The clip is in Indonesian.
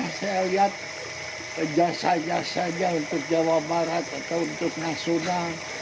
saya lihat jasa jasanya untuk jawa barat atau untuk nasional